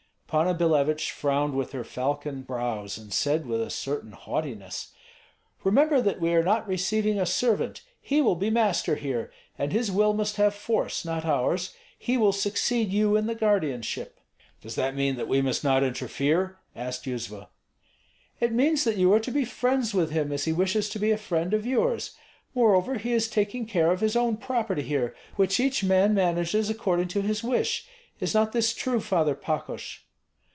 Panna Billevich frowned with her falcon brows, and said with a certain haughtiness: "Remember that we are not receiving a servant. He will be master here; and his will must have force, not ours. He will succeed you in the guardianship." "Does that mean that we must not interfere?" asked Yuzva. "It means that you are to be friends with him, as he wishes to be a friend of yours. Moreover he is taking care of his own property here, which each man manages according to his wish. Is not this true, Father Pakosh?"